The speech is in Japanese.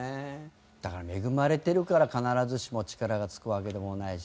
だから恵まれてるから必ずしも力がつくわけでもないし。